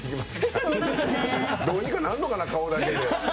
どうにかなんのかな、顔だけで。